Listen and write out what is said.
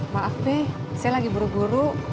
maaf nih saya lagi buru buru